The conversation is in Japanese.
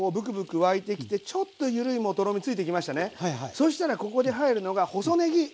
そしたらここで入るのが細ねぎ。